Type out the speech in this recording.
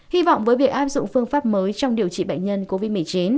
hy vọng với việc áp dụng phương pháp mới trong điều trị bệnh nhân covid một mươi chín